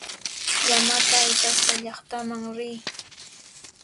Llamata aysaspa llaqtaman riy.